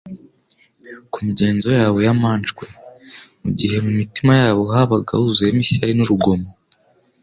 ku migenzo yabo y’amanjwe mu gihe mu mitima yabo habaga huzuyemo ishyari n'urugomo.